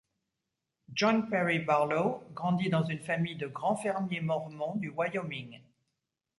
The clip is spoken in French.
John Perry Barlow grandît dans une famille de grands fermiers mormons du Wyoming.